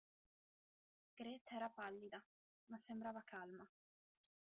Grete era pallida, ma sembrava calma.